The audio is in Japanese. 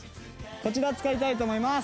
こちらを使いたいと思います！